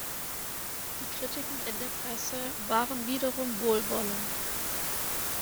Die Kritiken in der Presse waren wiederum wohlwollend.